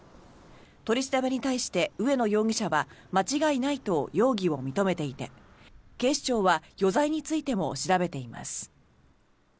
取り調べに対して上野容疑者は間違いないと容疑を認めていて警視庁は余罪についても調べています。